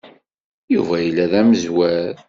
Yuba yella d amezwar.